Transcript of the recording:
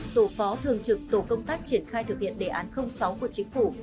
tổ phó thường trực tổ công tác triển khai thực hiện đề án sáu của chính phủ